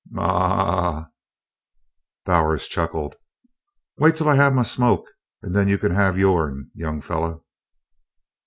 "Ma a aa aa!" Bowers chuckled. "Wait till I have my smoke an' then you kin have yourn, young feller."